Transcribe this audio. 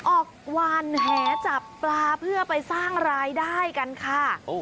ออกวานแหจับปลาเพื่อไปสร้างรายได้กันค่ะ